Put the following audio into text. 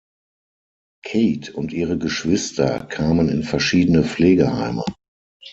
Kate und ihre Geschwister kamen in verschiedene Pflegeheime.